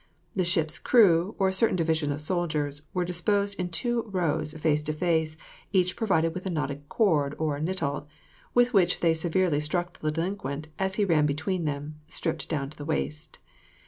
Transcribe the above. The ship's crew, or a certain division of soldiers, were disposed in two rows face to face, each provided with a knotted cord, or knittle, with which they severely struck the delinquent as he ran between them, stripped down to the waist.